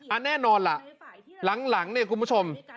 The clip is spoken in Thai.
แน่นอนล่ะหลังเนี่ยคุณผู้ชม